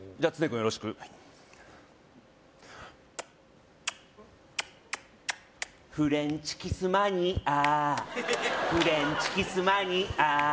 よろしくはいフレンチキスマニアフレンチキスマニア